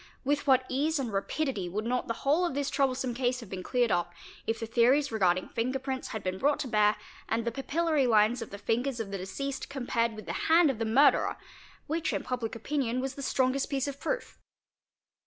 With what ease and rapidity would not the whole of this troublesome case have been cleared up, if the theories regarding finger prints had — been brought to bear and the papillary lines of the fingers of the deceased | compared with the 'hand of the murderer', which in public opinion was the strongest piece of proof